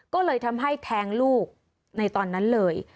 ก็เลยทำให้แทงลูกในตอนนั้นเลย